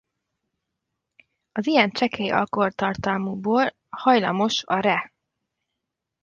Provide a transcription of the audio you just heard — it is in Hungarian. Az ilyen csekély alkoholtartalmú bor hajlamos a re.